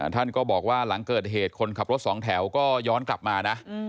ท่านก็บอกว่าหลังเกิดเหตุคนขับรถสองแถวก็ย้อนกลับมานะ